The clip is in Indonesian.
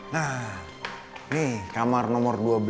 nah ini kamar nomor dua belas